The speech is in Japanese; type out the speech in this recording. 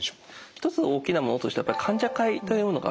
一つ大きなものとしてはやっぱり患者会というものがあります。